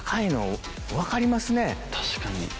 確かに。